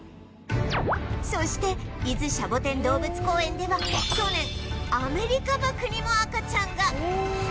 そして伊豆シャボテン動物公園では去年アメリカバクにも赤ちゃんが